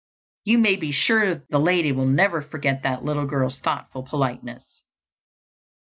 You may be sure the lady will never forget that little girl's thoughtful politeness.